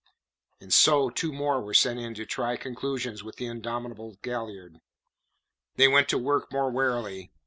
And so two more were sent in to try conclusions with the indomitable Galliard. They went to work more warily.